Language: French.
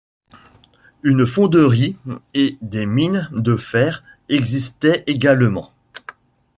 Une fonderie et des mines de fer existaient également.